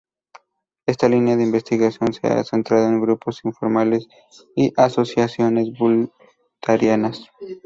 Esta línea de investigación se ha centrado en grupos informales y asociaciones voluntarias.